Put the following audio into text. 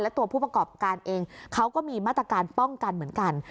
ตัวผู้ประกอบการเองเขาก็มีมาตรการป้องกันเหมือนกัน